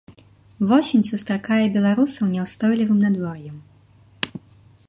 Восень сустракае беларусаў няўстойлівым надвор'ем.